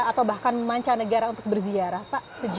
atau bahkan memancang negara untuk berziarah pak sejauh ini